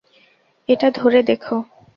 এটা ধরে দেখো।